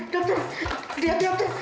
dokter dia aja dokter